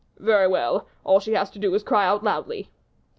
"Very well! all she has to do is cry out loudly."